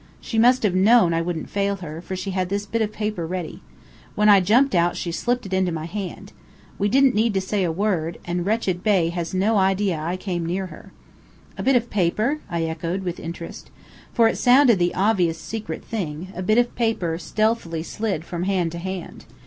She must have known I wouldn't fail her, for she had this bit of paper ready. When I jumped out she slipped it into my hand. We didn't need to say a word, and Wretched Bey has no idea I came near her." "A bit of paper?" I echoed, with interest. For it sounded the obvious secret thing; a bit of paper stealthily slid from hand to hand.